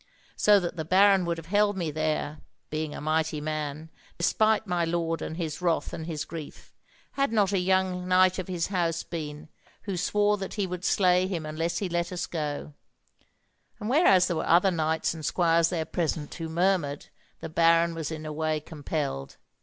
So that the baron would have held me there (being a mighty man) despite my lord and his wrath and his grief, had not a young knight of his house been, who swore that he would slay him unless he let us go; and whereas there were other knights and squires there present who murmured, the baron was in a way compelled.